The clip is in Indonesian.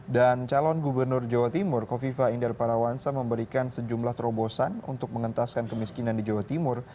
dan calon gubernur jawa timur kofifa inder parawansa memberikan sejumlah terobosan untuk mengentaskan kemiskinan di jawa timur